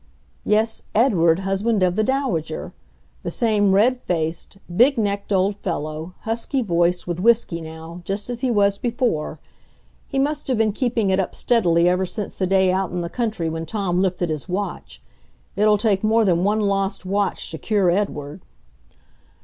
Yes, Edward, husband of the Dowager. The same red faced, big necked old fellow, husky voiced with whisky now, just as he was before. He must have been keeping it up steadily ever since the day out in the country when Tom lifted his watch. It'll take more than one lost watch to cure Edward.